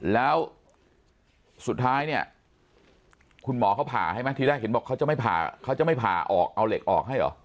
แล้วสุดท้ายเนี่ยคุณหมอเขาผ่าให้ไหมทีแรกเห็นบอกเขาจะไม่ผ่าเขาจะไม่ผ่าออกเอาเหล็กออกให้เหรอ